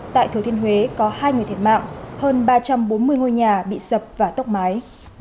tại thừa thiên huế có hai người thiệt mạng hơn ba trăm bốn mươi ngôi nhà bị sập và tốc mái